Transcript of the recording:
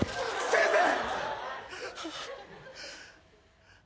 先生。